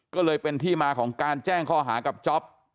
ก็เลยเป็นที่มาของการแจ้งข้อหากับจ๊อป